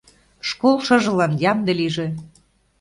Школ шыжылан ямде лийже.